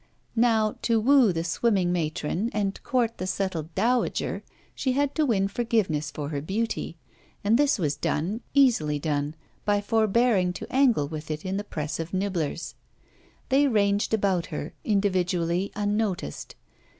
Now, to woo the swimming matron and court the settled dowager, she had to win forgiveness for her beauty; and this was done, easily done, by forbearing to angle with it in the press of nibblers. They ranged about her, individually unnoticed.